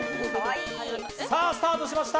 さぁスタートしました。